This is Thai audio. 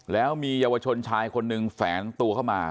แล้วมีเยาวชนชายคนหนึ่งแฝงตัวเข้ามา